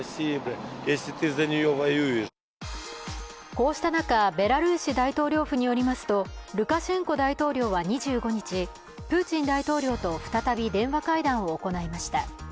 こうした中、ベラルーシ大統領府によりますとルカシェンコ大統領は２５日、プーチン大統領と再び電話会談を行いました。